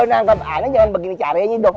kalau nangkep ane jangan begini caranya dong